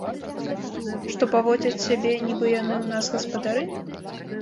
Што паводзяць сябе, нібы яны ў нас гаспадары?